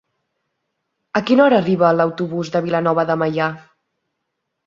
A quina hora arriba l'autobús de Vilanova de Meià?